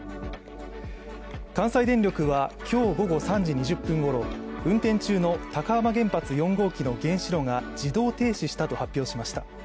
関西電力は今日午後３時２０分ごろ運転中の高浜原発４号機の原子炉が自動停止したと発表しました。